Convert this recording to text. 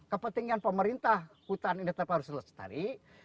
kepentingan pemerintah hutan ini terpaksa selesai